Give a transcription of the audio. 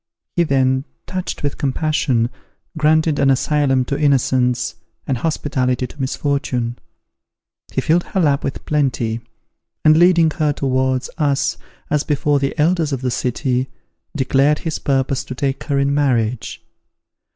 He then, touched with compassion, granted an asylum to innocence, and hospitality to misfortune. He filled her lap with plenty; and, leading her towards us as before the elders of the city, declared his purpose to take her in marriage.